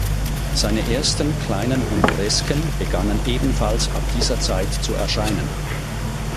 Seine ersten kleinen Humoresken begannen ebenfalls ab dieser Zeit zu erscheinen.